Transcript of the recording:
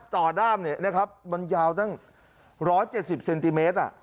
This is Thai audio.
ต่อด้ามก็ยาวกันตั้ง๑๗๐สม